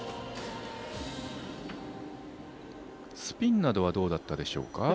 スピンなどはどうだったでしょうか。